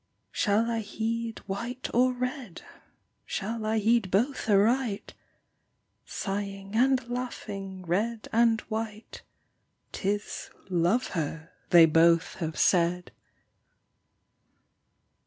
Shall I heed white or red ? Shall I heed both aright ? Sighing and laughing, red and white, 'Tis " Love her " they both have said.